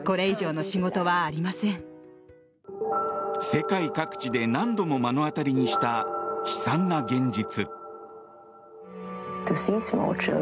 世界各地で何度も目の当たりにした悲惨な現実。